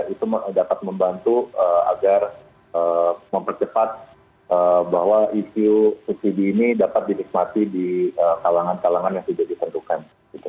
itu dapat membantu agar mempercepat bahwa isu subsidi ini dapat dinikmati di kalangan kalangan yang sudah ditentukan